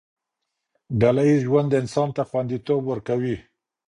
ډله ييز ژوند انسان ته خونديتوب ورکوي.